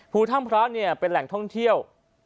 ภูธ่ำพระเป็นแหล่งท่องเที่ยว